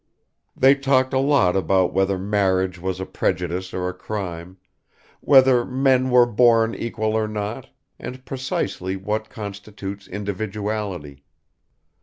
They talked a lot about whether marriage was a prejudice or a crime, whether men were born equal or not, and precisely what constitutes individuality.